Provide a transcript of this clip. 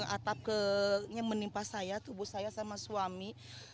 atapnya menimpa saya tubuh saya sama suami